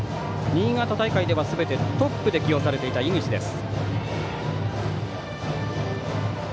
新潟大会ではすべてトップで起用されていた井口です。